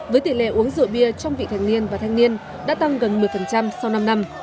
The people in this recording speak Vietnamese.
với tỷ lệ uống rượu bia trong vị thành niên và thanh niên đã tăng gần một mươi sau năm năm